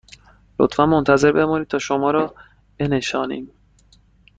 لطفاً منتظر بمانید تا شما را بنشانیم